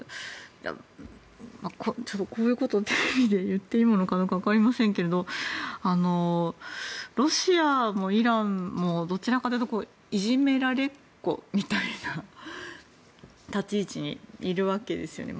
こういうことをテレビで言っていいものかどうかわかりませんがロシアもイランもどちらかというといじめられっ子みたいな立ち位置にいるわけですよね。